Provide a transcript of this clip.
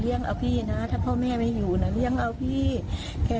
ยังเอาพี่นะถ้าพ่อแม่ไม่อยู่น่ะเลี่ยงเอาพี่แก